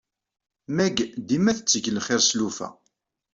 Meg dima tetteg lxir s lufa.